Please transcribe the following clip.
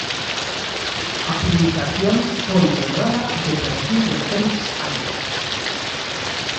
A publicación foi borrada do perfil de Félix Álvarez.